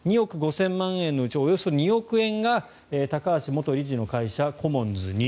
２億５０００万円のうちおよそ２億円が高橋元理事の会社、コモンズに。